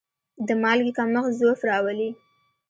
د مالګې کمښت ضعف راولي.